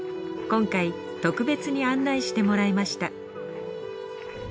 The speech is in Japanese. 今回特別に案内してもらいました